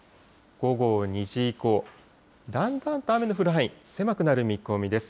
午後２時以降、だんだんと雨の降る範囲、狭くなる見込みです。